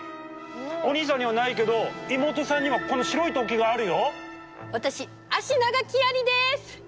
お兄さんにはないけど妹さんにはこの白い突起があるよ！